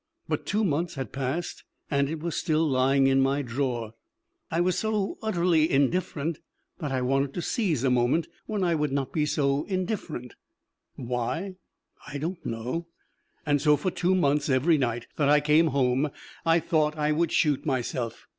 But two months had passed and it was still lying in my drawer; I was so utterly indifferent that I wanted to seize a moment when I would not be so indifferent why, I don't know. And so for two months every night that I came home I thought I would shoot myself.